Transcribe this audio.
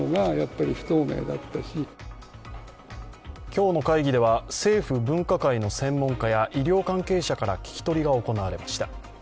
今日の会議では、政府分科会の専門家や医療関係者から聞き取りが行われました。